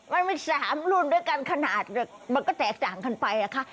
มันมี๓รุ่นด้วยกันขนาดมันก็แตกต่างกันไปนะคะ